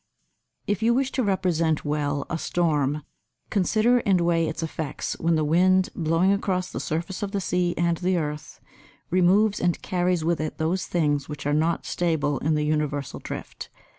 If you wish to represent well a storm, consider and weigh its effects when the wind, blowing across the surface of the sea and the earth, removes and carries with it those things which are not stable in the universal drift.